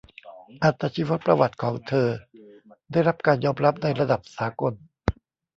อัตชีวประวัติของเธอได้รับการยอมรับในระดับสากล